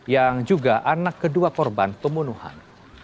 yang juga anak kedua korban pembunuhan